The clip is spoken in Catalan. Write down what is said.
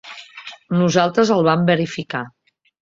Nosaltres el vam verificar.